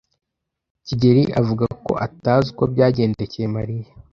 kigeli avuga ko atazi uko byagendekeye Mariya.